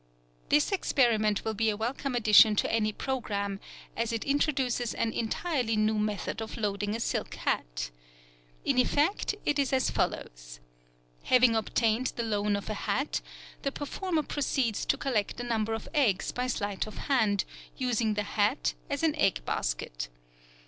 —This experiment will be a welcome addition to any programme, as it introduces an entirely new method of loading a silk hat. In effect it is as follows: Having obtained the loan of a hat, the performer proceeds to collect a number of eggs by sleight of hand, using the hat as an egg basket.